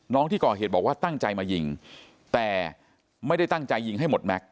ที่ก่อเหตุบอกว่าตั้งใจมายิงแต่ไม่ได้ตั้งใจยิงให้หมดแม็กซ